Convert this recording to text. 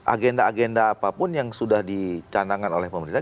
agenda agenda apapun yang sudah dicanangkan oleh pemerintah